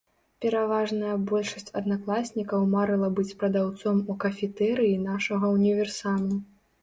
Пераважная большасць аднакласнікаў марыла быць прадаўцом у кафетэрыі нашага ўніверсаму.